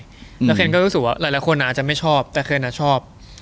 แล้วเคนก็รู้สึกว่าหลายคนอาจจะไม่ชอบแต่เคนชอบ